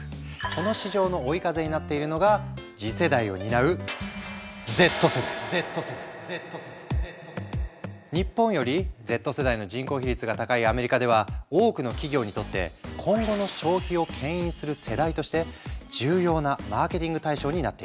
この市場の追い風になっているのが次世代を担う日本よりＺ世代の人口比率が高いアメリカでは多くの企業にとって今後の消費をけん引する世代として重要なマーケティング対象になっている。